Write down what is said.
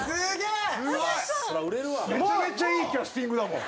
めちゃめちゃいいキャスティングだもん。